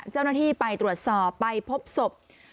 เจ้าหน้าที่ไปตรวจสอบไปพบศพ